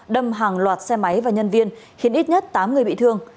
đâm hàng loạt xe máy và nhân viên khiến ít nhất tám người bị thương